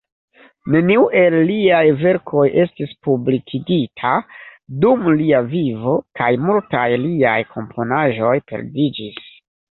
Neniu el liaj verkoj estis publikigita dum lia vivo, kaj multaj liaj komponaĵoj perdiĝis.